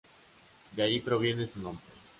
De ahí proviene su nombre.